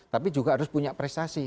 tapi juga harus punya prestasi